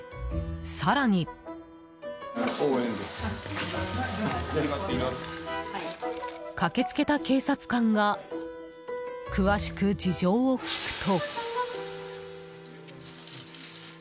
更に、駆け付けた警察官が詳しく事情を聴くと。